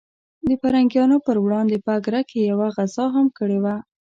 د پرنګیانو پر وړاندې په اګره کې یوه غزا هم کړې وه.